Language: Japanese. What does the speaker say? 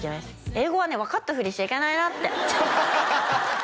英語はね分かったふりしちゃいけないなって